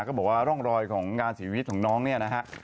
ก็บอกว่าร่องรอยของการเสียชีวิตของน้องเนี่ยนะฮะ